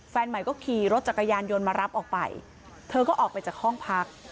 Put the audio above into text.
แฟนใหม่ก็ขี่รถจักรยานยนต์มารับออกไปเธอก็ออกไปจากห้องพัก